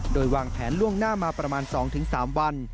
โดยวางแผนล่วงหน้ามาประมาณ๒๓วัน